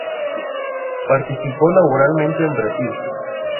Participó laboralmente en Brasil.